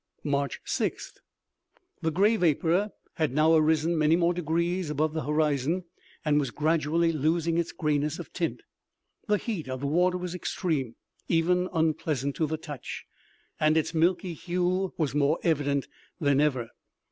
March 6th. The gray vapor had now arisen many more degrees above the horizon, and was gradually losing its grayness of tint. The heat of the water was extreme, even unpleasant to the touch, and its milky hue was more evident than ever.